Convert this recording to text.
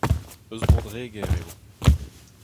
Eus Bro-Dreger eo.